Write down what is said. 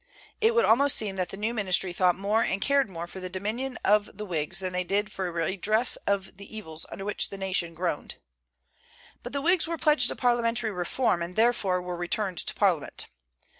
It would almost seem that the new ministry thought more and cared more for the dominion of the Whigs than they did for a redress of the evils under which the nation groaned. But the Whigs were pledged to parliamentary reform, and therefore were returned to Parliament.